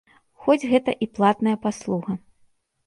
Хоць гэта і платная паслуга.